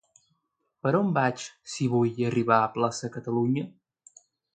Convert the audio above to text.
Per on vaig si vull arribar a Plaça Catalunya?